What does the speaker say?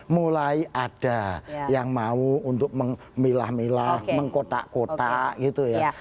mulai ada yang mau untuk memilah milah mengkotak kotak gitu ya